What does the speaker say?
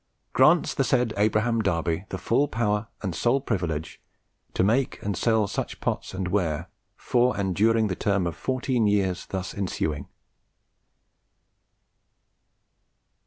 grants the said Abraham Darby the full power and sole privilege to make and sell such pots and ware for and during the term of fourteen years thence ensuing."